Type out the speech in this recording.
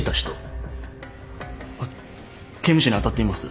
あっ刑務所にあたってみます。